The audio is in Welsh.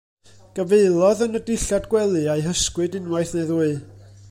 Gafaelodd yn y dillad gwely a'u hysgwyd unwaith neu ddwy.